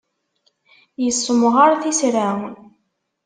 Yessemɣaṛ tisra.